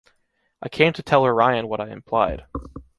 I came to tell Orion what I implied.